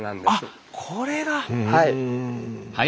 はい。